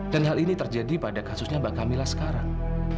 dan hal ini terjadi pada kasusnya mbak kamila sekarang